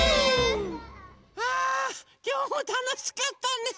あきょうもたのしかったね。